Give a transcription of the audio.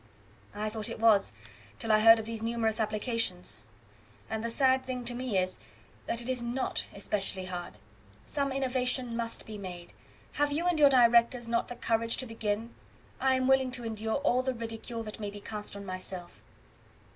"I thought it was, till I heard of these numerous applications; and the sad thing to me is, that it is NOT especially hard. Some innovation must be made: have you and your directors not the courage to begin? I am willing to endure all the ridicule that may be cast on myself."